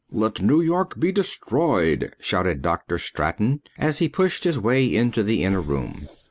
"Let New York be destroyed," shouted Dr. Straton as he pushed his way into the inner room.